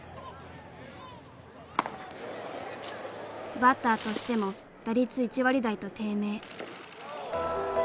バッターとしても打率１割台と低迷。